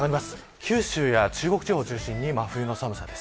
九州や中国地方を中心に真冬の寒さです。